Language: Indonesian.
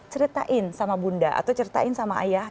ceritain sama bunda atau ceritain sama ayah